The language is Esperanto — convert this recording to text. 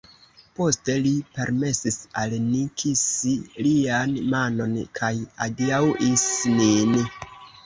Poste li permesis al ni kisi lian manon kaj adiaŭis nin.